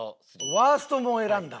ワーストも選んだ？